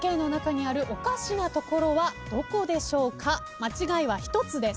間違いは１つです。